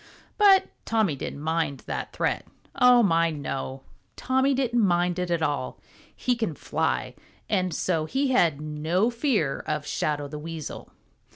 But Tommy didn't mind that threat. Oh, my, no! Tommy didn't mind it at all. He can fly, and so he had no fear of Shadow the Weasel.